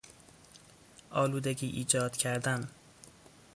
آلودگی ایجاد کردن